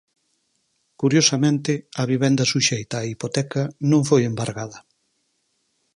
Curiosamente, a vivenda suxeita á hipoteca non foi embargada.